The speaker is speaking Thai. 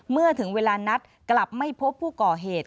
เมื่อถึงเวลานัดกลับไม่พบผู้ก่อเหตุ